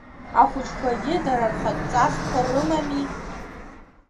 Ахәыҷқәагьы дара рхатә ҵасқәа рымами.